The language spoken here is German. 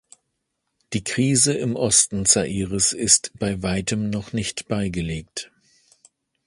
Die Krise im Osten Zaires ist bei weitem noch nicht beigelegt.